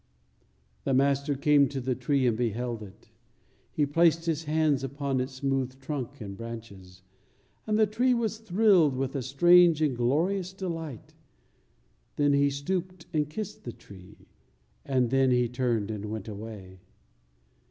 The Master came to the tree and beheld it. He placed His hands upon its smooth trunk and branches, and the tree was thrilled with a strange and glorious delight. Then He stooped and kissed the tree, and then He turned and went away.